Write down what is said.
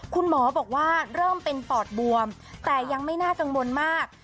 คุณหมอบอกว่าเริ่มเป็นปอดบวมแต่ยังไม่น่ากังวลมาก